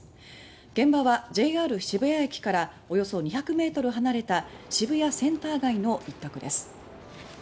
現場は、ＪＲ渋谷駅からおよそ２００ｍ離れた渋谷センター街の一角です。